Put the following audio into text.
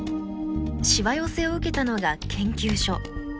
しわ寄せを受けたのが研究所。